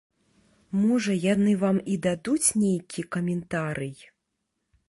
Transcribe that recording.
Можа яны вам і дадуць нейкі каментарый.